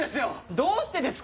どうしてですか？